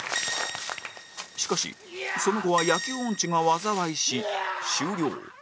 しかしその後は野球音痴が災いし終了